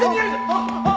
あっ！